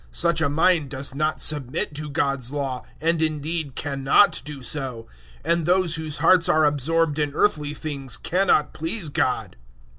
Such a mind does not submit to God's Law, and indeed cannot do so. 008:008 And those whose hearts are absorbed in earthly things cannot please God.